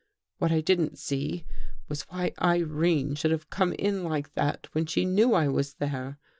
What I didn't see was why Irene should have come in like that when she knew I was there.